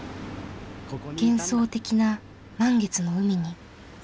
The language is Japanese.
幻想的な満月の海に。